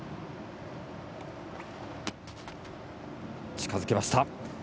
近づけました。